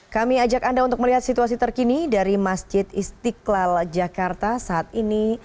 kami ajak anda untuk melihat situasi terkini dari masjid istiqlal jakarta saat ini